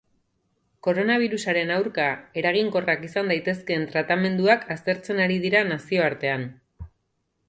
Koronabirusaren aurka eraginkorrak izan daitezkeen tratamenduak aztertzen ari dira nazioartean.